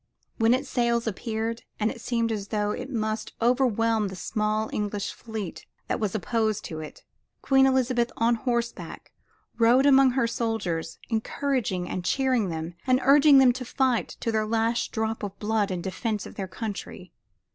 When its sails appeared, and it seemed as though it must overwhelm the small English fleet that was opposed to it, Queen Elizabeth on horseback rode among her soldiers, encouraging and cheering them, and urging them to fight to their last drop of blood in defense of their country.